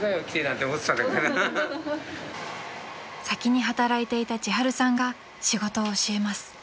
［先に働いていた千春さんが仕事を教えます］